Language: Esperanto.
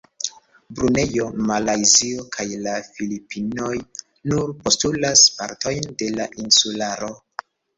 Brunejo, Malajzio kaj la Filipinoj nur postulas partojn de la insularo.